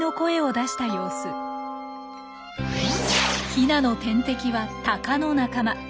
ヒナの天敵はタカの仲間。